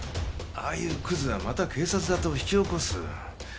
ああいうクズはまた警察沙汰を引き起こす。